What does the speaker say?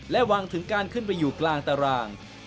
และหวังถึงการขึ้นไปอยู่กลางตาราง